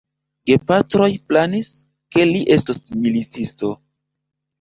Gepatroj planis, ke li estos militisto.